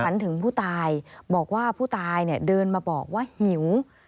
ฝันถึงผู้ตายบอกว่าผู้ตายเดินมาบอกว่าหิว